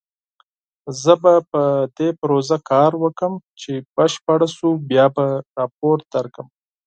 زه به په دې پروژه کار وکړم، چې بشپړ شو بیا به راپور درکړم